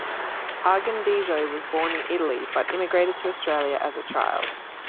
Argondizzo was born in Italy, but immigrated to Australia as a child.